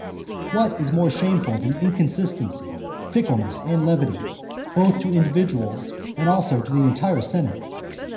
What is more shameful than inconsistency, fickleness, and levity, both to individuals, and also to the entire senate?